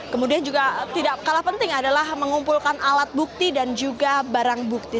kemudian juga tidak kalah penting adalah mengumpulkan alat bukti dan juga barang bukti